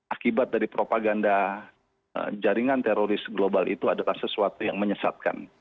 akibat dari propaganda jaringan teroris global itu adalah sesuatu yang menyesatkan